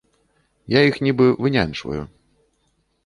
Я іх нібы вынянчваю.